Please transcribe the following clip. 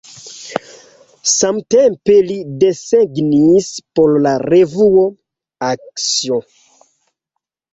Samtempe li desegnis por la revuo "Action".